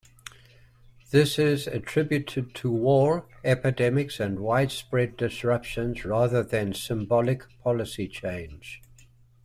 This is attributed to war, epidemics and widespread disruptions rather than "symbolic policy change".